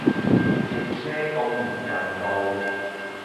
譯咩咁唔人道